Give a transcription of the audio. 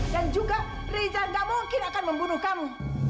dan juga riza gak mungkin akan membunuh kamu